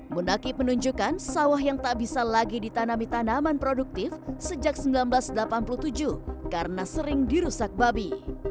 munakib menunjukkan sawah yang tak bisa lagi ditanami tanaman produktif sejak seribu sembilan ratus delapan puluh tujuh karena sering dirusak babi